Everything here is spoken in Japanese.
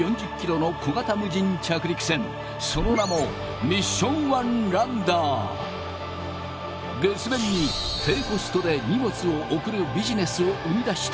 その名も月面に低コストで荷物を送るビジネスを生み出したいと開発しました。